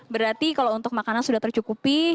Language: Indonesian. berarti kalau untuk makanan sudah tercukupi